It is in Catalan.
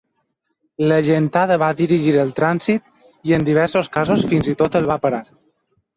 La gentada va dirigir el trànsit i, en diversos casos, fins i tot el va parar.